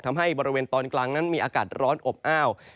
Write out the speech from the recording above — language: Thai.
บริเวณตอนกลางนั้นมีอากาศร้อนอบอ้าว